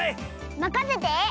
まかせて！